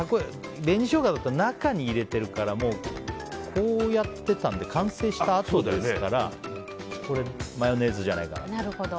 紅ショウガだったら中に入れてるからこうやってたんで完成したあとですから竹山さんは。